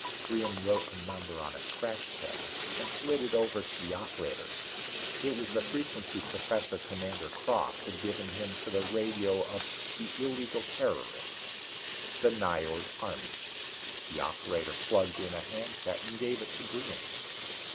Brion wrote the number on a scratch pad and slid it over to the operator. It was the frequency Professor Commander Krafft had given him for the radio of the illegal terrorists the Nyjord army. The operator plugged in a handset and gave it to Brion.